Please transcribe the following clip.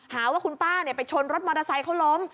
หาว่าคุณป้าไปชนรถมอเตอร์ไซค์เขาล้ม